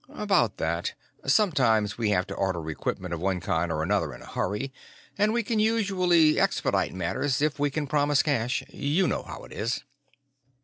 "About that. Sometimes we have to order equipment of one kind or another in a hurry, and we can usually expedite matters if we can promise cash. You know how it is."